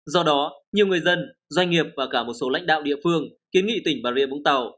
do đó nhiều người dân doanh nghiệp và cả một số lãnh đạo địa phương kiến nghị tỉnh bà rịa vũng tàu